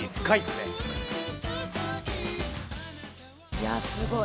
いや、すごい。